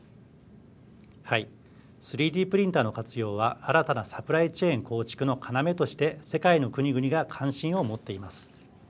はい、３Ｄプリンターの活用は新たなサプライチェーン構築の要として世界の国々が関心を持っています。